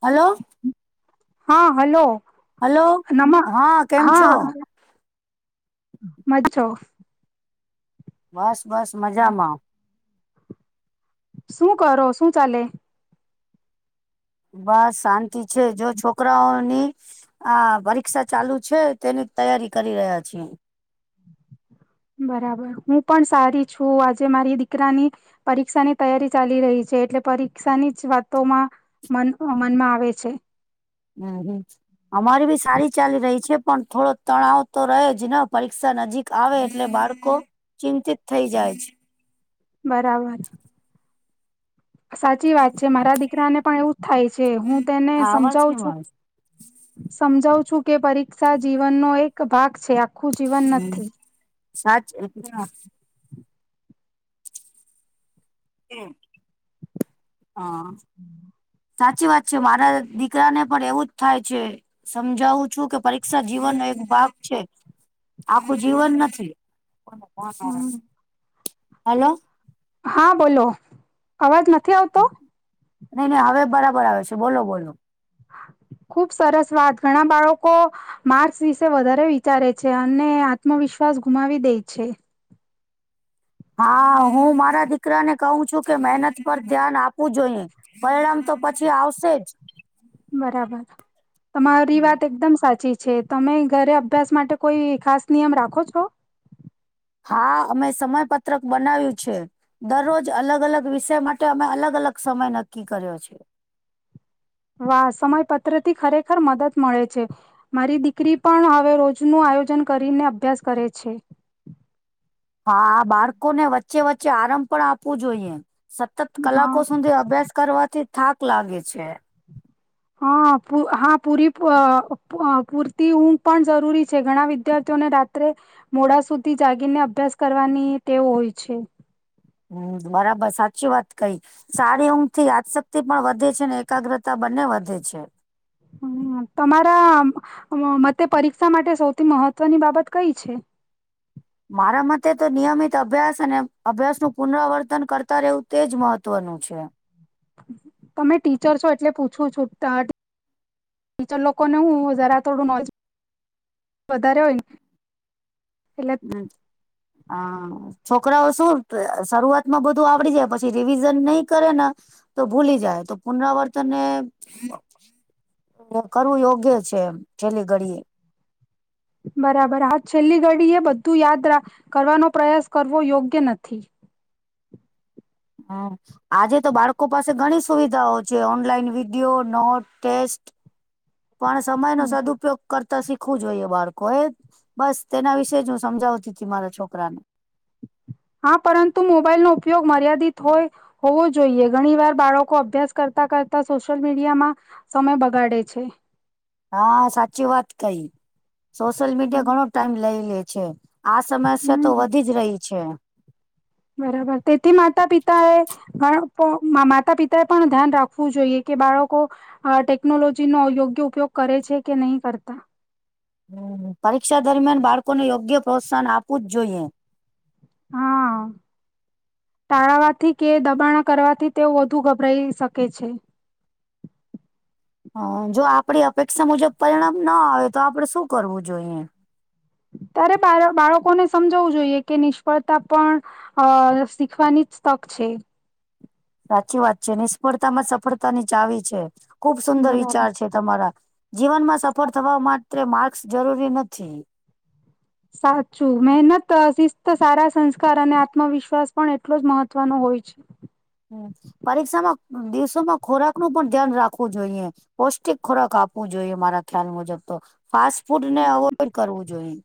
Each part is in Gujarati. હલો. હા હલો. હલો નમાં કેમ હા છો મજો બસ બસ મજામાં. શું કરો શું ચાલે. બસ શાંતિ છે જો છોકરાઓની આ પરીક્ષા ચાલુ છે તેની તૈયારી કરી રહ્યા છી. બરાબર હું પણ સારી છું આજે મારી દીકરાની પરીક્ષાની તૈયારી ચાલી રહી છે એટલે પરીક્ષાની જ વાતોમાં મ મનમાં આવે છે. હમ હમ અમારી બી સારી ચાલી રહી છે પણ થોડો તણાવ તો રહે જ ને પરીક્ષા નજીક આવે એટલે બાળકો ચિંતિત થઈ જાય છે. બરાબર. સાચી વાત છે મારા દી [inaudible] થાય છે હું તેને આ અવાજ સમજાવું કેમ છું આવે સમજાવ ું કે પરીક્ષા જીવનનો એક ભાગ છે. આખું જીવન નથી. સાચ એમ. હા. સાચી વાત છે, મારા દીકરાને પણ એવુંજ થાય છે, સમજાવું છું કે પરીક્ષા જીવનનો એક ભાગ છે, આખું જીવન નથી. હા, હા. હલો. હા, બોલો અવાજ નથ નથી આવતો? નઈ નઈ હવે બરાબર આવે છે, બોલો બોલો. ખુબ સરસ વાત. ઘણા બાળકો માર્ક્સ વિશે વધારે વિચારે છે અને આત્મવિશ્વાસ ગુમાવી દે છે. હા, હું મારા દીકરાને કહું છું કે મહેનત પર ધ્યાન આપવું જોઈએ, પરિણામ તો પછી આવશેજ. બરાબર તમારી વાત એકદમ સાચી છે. છે. તમે ઘરે અભ્યાસ માટે કોઈ ખાસ નિયમ રાખો છો? હા, અમે સમયપત્રક બનાવ્યું છે. દરરોજ અલગ અલગ વિષય માટે અમે અલગ અલગ સમય નક્કી કર્યો છે. વાહ, સમય પત્ર થી ખરેખર મદદ મળે છે. મારી દીકરી પણ હવે રોજનું આયોજન કરીને અભ્યાસ કરે છે. હા, બાળકો ને વચ્ચે વચ્ચે આરામ પણ આપવું જોઈએમ. સતત હા કલાકો સુધી અભ્યાસ કરવાથી થાક લાગે છે. હા, હા, પૂરી પૂરતી ઊઘ પણ જરૂરી છે. ઘણા વિદ્યાર્થીઓને રાત્રે મોડા સુધી જાગીને અભ્યાસ કરવાની તેવ હોય છે. હમ્મ, બરાબર સાચી વાત કઈ. સારી ઊંઘ થી આશક્તિ પણ વધે છે ને એકાગ્રતા બંને વધે છે. હમ્મ, તમારા મતે પરીક્ષા માટે સૌથી મહત્વની બાબત કઈ છે? મારા મતે તો નિયમિત અભ્યાસ અને અભ્યાસનું પુનરાવર્તન કરતા રહેવું તેજ મહત્ત્વનું છે. તમે ટીચર છો, એટલે પૂછું છું ટીચર લોકોને હું જરા થોડું નોલેજ વધારે હોયને. હમ્મ, હા. છોકરાઓ શું શરૂઆતમાં બધું આવડી જાય પછી રિવિઝન નહી કરે ને તો ભૂલી જાય, તો પુનરાવર્તન એ કરવું યોગ્ય છે એ છેલ્લી ઘડીએ. બરાબર. હા છેલ્લી ઘડીએ બધું યાદ કરવાનો પ્રયાસ કરવો યોગ્ય નથી. હમ્મ, આજે તો બાળકો પાસે ઘણી સુવિધાઓ છે, ઓનલાઈન વિડિયો, નોટ, ટેસ્ટ પણ સમય નો સદઉપયોગ કર તા શીખવું જોઈએ બાળકોએ. બસ તેના વિશે જ હું સમજાતી તી મારા છોકરાને. હા, પરંતુ મોબાઈલ નો ઉપયોગ મર્યાદિત હોય, હોવો જોઈએ. ઘણી વાર બાળકો અભ્યાસ કરતા-કરતા સોશિયલ મીડિયામાં સમય બગાડે છે. હા, સાચી વાત કઈ. સોશિયલ મીડિયા ઘણો ટાઈમ લઈ લે છે. આ સમસ્યા હમ તો વધીજ રહી છે. છે. બરાબર. તેથી માતા પિતાએ અઅ પો મા-માતા પિતાએ પણ ધ્યાન રાખવું જોઈએ કે બાળકો અહ ટેકનોલોજીનો યોગ્ય ઉપયોગ કરે છે કે નઈ કરતા. હમ્મ. પરીક્ષા દરમિયાન બાળકોને યોગ્ય પ્રોત્સાહન આપું જ જોઈએ. હા, ટાળાવાથી કે દબાણ કરવાથી તેઓ વધુ ગભરાઈ શકે છે. હા, જો આપડી અપેક્ષા મુજબ પરિણામ ન આવે તો આપડે શું કરવું જોઈએ? ત્યારે બાળ-બાળકોને સમજાવવું જોઈએ કે નિષ્ફળતા પણ અહ શીખવાનીજ તક છે. હાચી વાત છે, નિષ્ફળતામાં જ સફળતાની ચાવી છે. ખુબ સુંદર બરાબર વિચાર છે, તમારા. જીવનમાં સફળ થવા માત્રે માર્ક્સ જરૂરી નથી. સાચું. મહેન ત, શિસ્ત, સારા સંસ્કાર અને આત્મવિશ્વાસ પણ એટલો જ મહત્વનો હોય છે. પરીક્ષામાં દિવસોમાં ખોરાકનું પણ ધ્યાન રાખવું જોઈએ. પૌષ્ટિક ખોરાક આપવું જોઈએ મારા ખ્યાલ મુજબ તો. ફાસ્ટ ફૂડને અવોઈડ કરવું જોઈએ.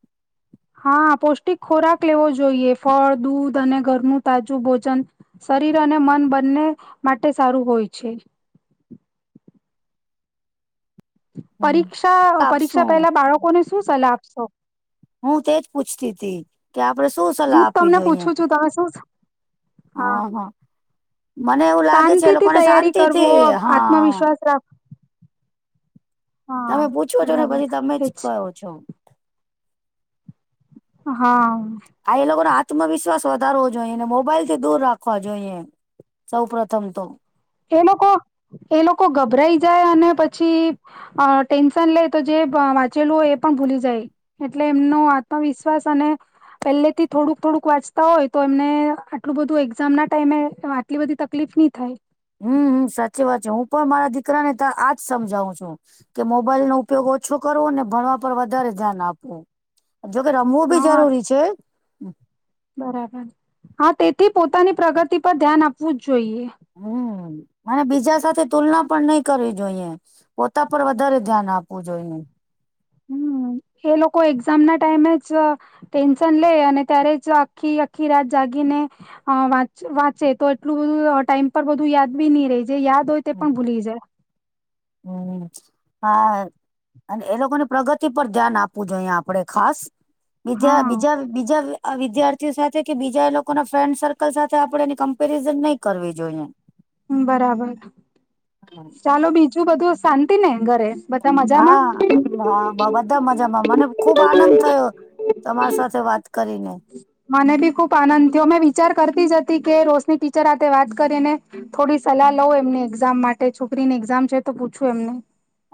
હા, પૌષ્ટિક ખોરાક લેવો જોઈએ. ફળ, દૂધ અને ઘરનું તાજું ભોજન. શરીર અને મન બંને માટે સારું હોય છે. હમ પરીક્ષા-પરીક્ષા આપશું પહેલા બાળકોને શું સલાહ આપશો? હું તેજ પૂછતી તી. કે આપડે શું સલાહ હું આપવી તમને જોઈએ? પૂછું છું તમે શું હા અન-હન. મને એવું લાગે છે એ શાંતિથી લોકોને તૈયારી કરવો શાંતિથી હનન. આત્મવિશ્વાસ રાખ હા તમે પૂછો છો ને બરાબર પછી તમે જ એજ કહો છો. હા. આ એ લોકોનો આત્મવિશ્વાસ વધારવો જોઈએ અને મોબાઈલથી દૂર રાખવા જોઈએ. સૌ પ્રથમ તો. એ લોકો-એ લોકો ગભરાઈ જાય અને પછી અ ટેન્શન લેય તો જે બ વાંચેલું હોય એ પણ ભૂલી જાય. એટલે એમનો આત્મવિશ્વાસ અને પેલેથી થોડુંક થોડુંક વાંચતા હોય તો એમને આટલું બધું એઝામના ટાઈમે આટલી બધી તકલીફ ની થાય. હમ-હમ સાચી વાત જો હું પણ મારા દીકરાને ત આ જ સમજાવું છું કે મોબાઈલનો ઉપયોગ ઓછો કરવો ને ભણવા પર વધારે ધ્યાન આપવું. જોકે રમવું બી હા જરૂરી છે. [inaudible] બરાબર. હા તેથી પોતાની પ્રગતિ પર ધ્યાન આપવું જ જોઈએ. હમ્મ અને બીજા સાથે તુલના પણ નહી કરવી જોઈએ. પોતા પર વધારે ધ્યાન આપવું જોઈએ. હમ્મ. એ લોકો એક્ઝામના ટાઈમે જ ટેન્શન લે અને ત્યારે જ આખી આખી રાત જાગીને અ વાચ-વાંચે તો એટલું બધું ટાઈમ પર બધું યાદ બી ની રેય જે યાદ હોય તે પણ ભૂલી જાય. હમ હા અને એ લોકોન પ્રગતિ પર ધ્યાન આપવું જોઈએ આપડે ખાસ. જાય હા બીજા-બીજા-બીજા આ વિદ્યાર્થીઓ સાથે કે બીજા એ લોકોના ફ્રેન્ડ સર્કલ સાથે આપણેે એની કમ્પેરિઝન નહી કરવી જોઈએ. બરાબર. ચાલો બીજ જું બધું શાંતિને? હા હા બ-બધા મજામાં મને ખુબ આનંદ થયો તમારી સાથે વાત કરીને. મને બી ખુબ આનંદ થ્યો મેં વિચાર કરતી જ હતી કે રોશની ટીચર વાત કરીને થોડી સલાહ લઉ એમની એક્ઝામ માટે છોકરીની એક્ઝામ છે તો પૂછું એમને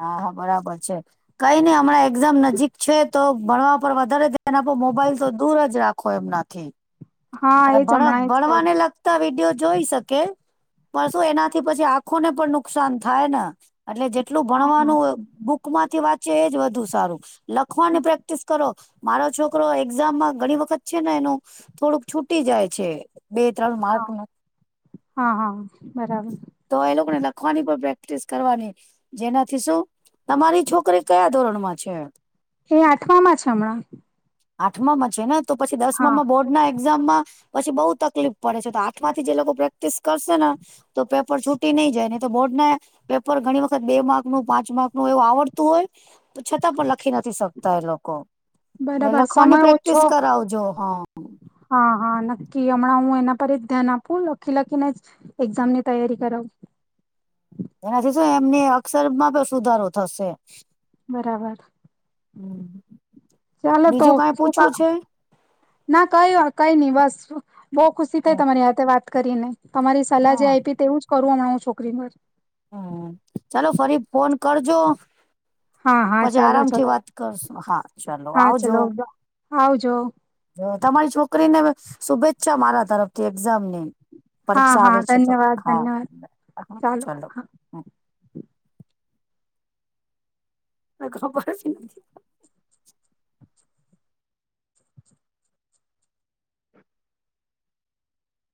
હા હા બરાબર છે. કઈ નઈ હમણાં એક્ઝામ નજીક છે તો ભણવા પર વધારે ધ્યાન આપો મોબાઈલ તો દૂર જ રાખો એમનાથી હા એ જ ભણ હમણાં એ જ કરું ભણવાને લગતા વિડીયો જોઈ શકે પણ શું એનાથી પછી આંખોને પણ નુકસાન થાય ન અટલે એટલું હા ભણવાનું બુક માંથી વાંચી એ જ વધુ સારું. લખો ને પ્રેક્ટિસ કરો. મારો છોકરો એક્ઝામમાં ઘણી વખત છે ને એનું થોડુંક છૂટી જાય છે. બે ત્રણ હા માર્ક ન હા-હા બરાબર તો એ લોકોને લખવાની પણ પ્રેક્ટિસ કરવાની જેનાથી શું, તમારી છોકરી કયા ધોરણ માં છે? એ આઠમા માં છે હમણાં આઠમામાં છે ને તો પછી હા દસમામાં બોર્ડના એક્ઝામમાં પછી બઉુ તકલીફ પડે છે તો આઠ થી જે લોકો પ્રેક્ટિસ કરશે ને તો પેપ રહી છૂટી નહી જાય ને તો બોર્ડને પેપર ઘણી વખત બે માર્ક નું પાંચ માર્કનુંું એવું આવડતું હોય પૂછાતાં પણ લખી નથી શક તાય લોકો એટલે બરાબર સમય લખવાની પ્રેક્ટિસ ઓછો કરાવજો હો હા હા નક્કી હમણાં હું એના પર જ ધ્યાન આપું લખી લખીને જ એક્ઝામ ની તૈયારી કરાઉ. એનાથી શું એમને અક્ષર માં પણ સુધારો થશે. બરાબર હમ્મ ચાલો તો [unintelligible] [inaudible] ના કઈ કઈ નહી બસ [inaudible] બૌ ખુશી થઈ તમારી હાથે વાત કરીને. તમારી સલાહ જે હા. આઈપી તેવું જ કરુ હમણાં હું છોકરીમર હમ ચાલો ફરી ફોન કરજો. હા હા પછી ચાલો આરામથી ચાલો વાત કરશું હા ચાલો હા આવજો ચલો આવજો [inaudible] તમારી છોકરીને શુભેચ્છા મારા તરફથી એક્ઝામની હા પરીક્ષા હા આવે છે તો ધન્યવાદ હા ધન્યવાદ ચાલો ચલો હા [inaudible] એ ખબર છે નથી પડ